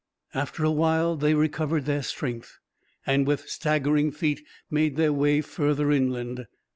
After a while they recovered their strength and, with staggering feet, made their way further inland.